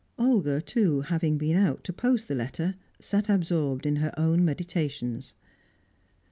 Olga, too, having been out to post the letter, sat absorbed in her own meditations.